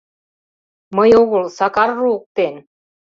— Мый огыл, Сакар руыктен.